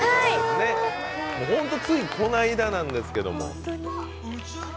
本当ついこの間なんですけど。